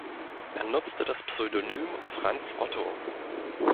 Er nutzte das Pseudonym „Franz Otto“.